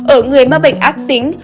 ở người mắc bệnh ác tính